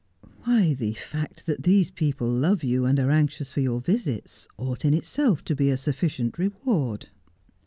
Why, the fact that these people love you and are anxious for your visits, ought in itself to be a sufficient reward.'